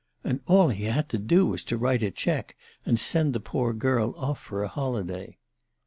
And all he had to do was to write a cheque, and send the poor girl off for a holiday!